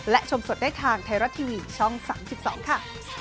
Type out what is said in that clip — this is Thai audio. และชมสดได้ทางไทยรัฐทีวีช่อง๓๒ค่ะ